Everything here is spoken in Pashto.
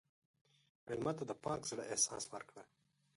مېلمه ته د پاک زړه احساس ورکړه.